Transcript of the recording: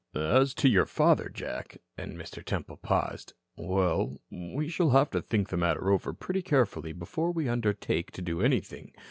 "As to your father, Jack," and Mr. Temple paused, "well, we shall have to think the matter over pretty carefully before we undertake to do anything.